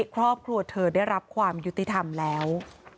ครอบครัวเธอได้รับความยุติธรรมแล้ว